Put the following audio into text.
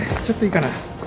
ちょっといいかな？